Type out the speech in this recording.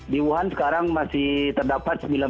di wuhan sekarang masih terdapat